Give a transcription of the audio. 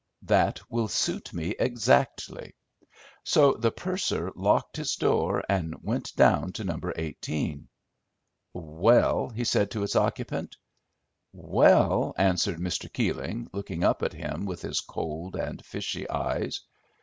"That will suit me exactly." So the purser locked his door and went down to No. 18. "Well?" he said to its occupant. "Well," answered Mr. Keeling, looking up at him with his cold and fishy eyes.